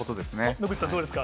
野口さん、どうですか？